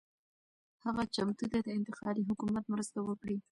هغه چمتو دی د انتقالي حکومت مرسته وکړي.